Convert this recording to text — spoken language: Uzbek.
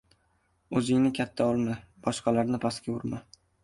• O‘zingni katta olma, boshqalarni pastga urma.